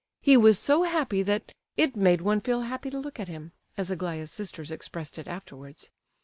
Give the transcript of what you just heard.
He was so happy that "it made one feel happy to look at him," as Aglaya's sisters expressed it afterwards.